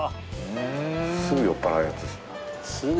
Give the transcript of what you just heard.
すぐ酔っぱらうやつですね。